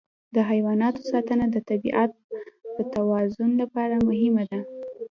د حیواناتو ساتنه د طبیعت د توازن لپاره مهمه ده.